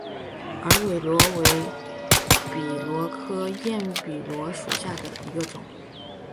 耳笔螺为笔螺科焰笔螺属下的一个种。